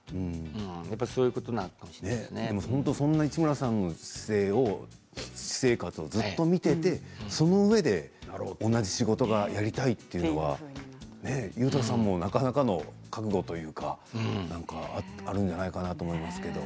やっぱりそういうことなのかもそんな市村さんの私生活をずっと見ていてそのうえで同じ仕事がやりたいというのは優汰さんもなかなかの覚悟というかあるんじゃないかなと思いますけど。